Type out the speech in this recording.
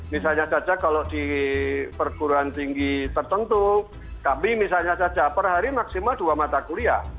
misalnya saja kalau di perguruan tinggi tertentu kami misalnya saja per hari maksimal dua mata kuliah